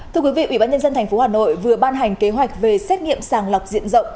thưa quý vị ủy ban nhân dân tp hà nội vừa ban hành kế hoạch về xét nghiệm sàng lọc diện rộng